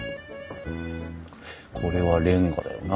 これはレンガだよな。